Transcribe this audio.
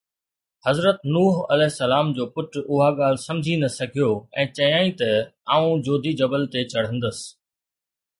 حضرت نوح عليه السلام جو پٽ اها ڳالهه سمجهي نه سگهيو ۽ چيائين ته ”آئون جودي جبل تي چڙهندس.